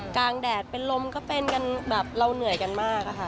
แดดเป็นลมก็เป็นกันแบบเราเหนื่อยกันมากอะค่ะ